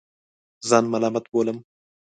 ځان ملامت بولم.